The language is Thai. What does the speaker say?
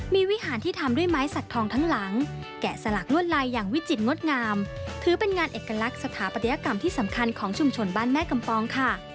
มีวิหารที่ทำด้วยไม้สัตว์ทองทั้งหลัง